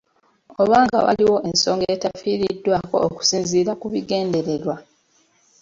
Oba nga waliwo ensonga etafiiriddwako okusinziira ku bigendererwa